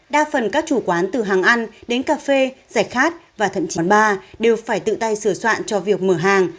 đa phần các chủ quán từ hàng ăn đến cà phê rạch khát và thận chỉ quán bar đều phải tự tay sửa soạn cho việc mở hàng